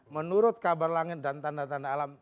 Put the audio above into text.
menurut kabar langit dan tanda tanda alam